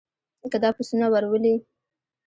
که دا پسونه ور ولې.